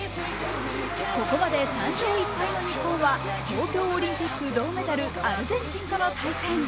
ここまで３勝１敗の日本は東京オリンピック銅メダル、アルゼンチンとの対戦。